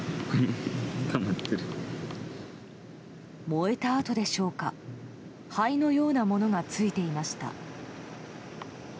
燃えた跡でしょうか灰のようなものが付いていました。